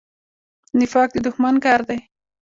نفاق د دښمن کار دی